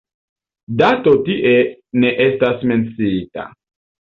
Dato tie ne estas menciita.